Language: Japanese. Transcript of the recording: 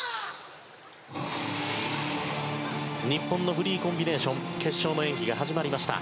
日本のフリーコンビネーション決勝の演技が始まりました。